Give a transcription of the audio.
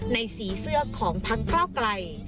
ในสีเสื้อของพังกล้าวไกล